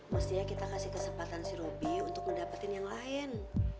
maksudnya kita kasih kesempatan si robby untuk mendapatin yang lain